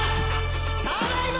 ただいま！